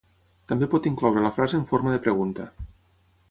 També pot incloure la frase en forma de pregunta.